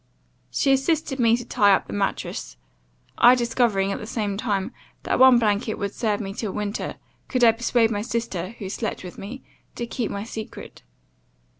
She assisted me to tie up the mattrass; I discovering, at the same time, that one blanket would serve me till winter, could I persuade my sister, who slept with me, to keep my secret.